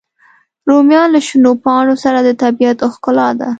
رومیان له شنو پاڼو سره د طبیعت ښکلا ده